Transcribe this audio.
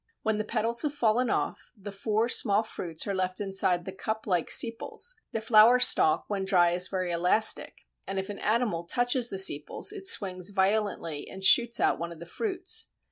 When the petals have fallen off, the four small fruits are left inside the cup like sepals; the flower stalk when dry is very elastic, and if an animal touches the sepals it swings violently and shoots out one of the fruits.